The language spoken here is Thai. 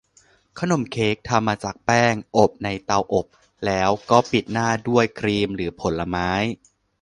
ขนมเค้กทำมาจากแป้ง อบในเตาอบ แล้วก็ปิดหน้าด้วยครีมหรือผลไม้